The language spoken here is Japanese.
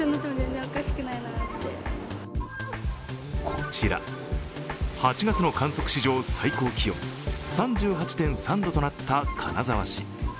こちら、８月の観測史上最高気温３８．３度となった金沢市。